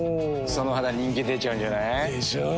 その肌人気出ちゃうんじゃない？でしょう。